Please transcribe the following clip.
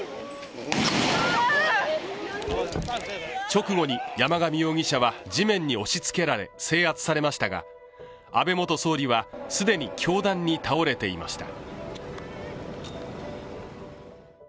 直後に山上容疑者は、地面に押しつけられ制圧されましたが、安倍元総理は、既に凶弾に倒れていました。